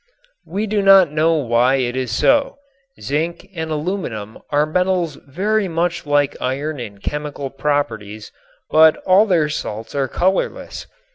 We do not know why it is so. Zinc and aluminum are metals very much like iron in chemical properties, but all their salts are colorless.